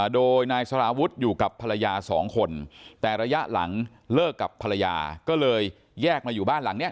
โดยนายสารวุฒิอยู่กับภรรยาสองคนแต่ระยะหลังเลิกกับภรรยาก็เลยแยกมาอยู่บ้านหลังนี้